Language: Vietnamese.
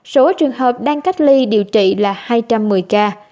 số trường hợp đang cách ly điều trị là hai trăm một mươi ca